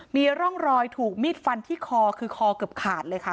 มีร่องรอยถูกมีดฟันที่คอคือคอเกือบขาดเลยค่ะ